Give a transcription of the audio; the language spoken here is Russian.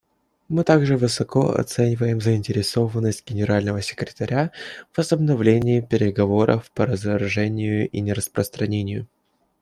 Мы также высоко оцениваем заинтересованность Генерального секретаря в возобновлении переговоров по разоружению и нераспространению.